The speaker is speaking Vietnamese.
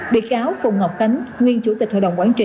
bị cáo phùng ngọc khánh nguyên chủ tịch hội đồng quản trị